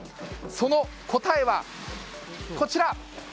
その答えはこちら。